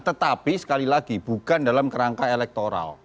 tetapi sekali lagi bukan dalam kerangka elektoral